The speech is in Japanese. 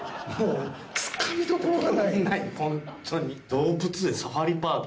動物園サファリパーク。